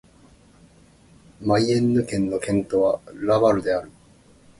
マイエンヌ県の県都はラヴァルである